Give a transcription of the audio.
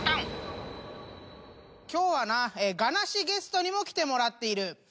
今日はな我なしゲストにも来てもらっている。